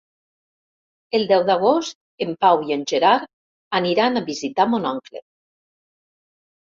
El deu d'agost en Pau i en Gerard aniran a visitar mon oncle.